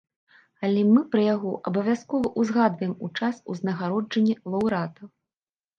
Але мы пра яго абавязкова ўзгадваем у час узнагароджання лаўрэата.